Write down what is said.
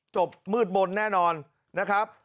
จบมืดบนแน่นอนนะครับ